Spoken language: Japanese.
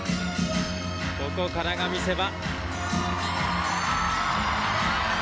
ここからが見せ場。